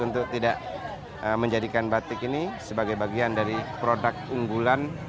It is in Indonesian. untuk tidak menjadikan batik ini sebagai bagian dari produk unggulan